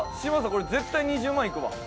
これ絶対２０万いくわ。